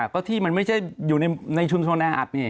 ก็ที่มันไม่ใช่อยู่ในชุมชนแออัดนี่